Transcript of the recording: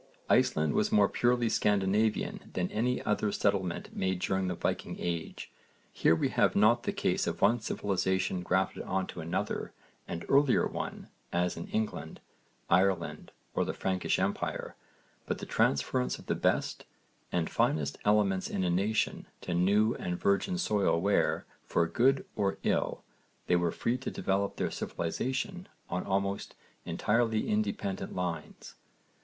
Iceland was more purely Scandinavian than any other settlement made during the Viking age. Here we have not the case of one civilisation grafted on another and earlier one as in England, Ireland or the Frankish empire, but the transference of the best and finest elements in a nation to new and virgin soil where, for good or ill, they were free to develop their civilisation on almost entirely independent lines.